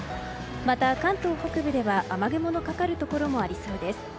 また、関東北部では雨雲のかかるところもありそうです。